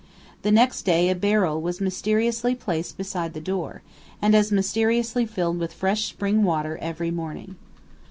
The next day a barrel was mysteriously placed beside the door, and as mysteriously filled with fresh spring water every morning.